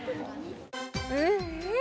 うんうん！